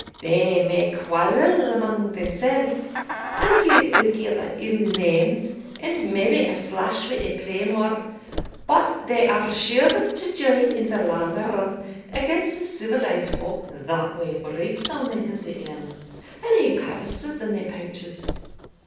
They may quarrel among themsells, and gie ilk ither ill names, and maybe a slash wi' a claymore; but they are sure to join in the lang run, against a' civilised folk, that wear breeks on their hinder ends, and hae purses in their pouches."